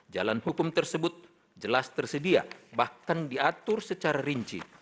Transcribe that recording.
jalan hukum tersebut jelas tersedia bahkan diatur secara rinci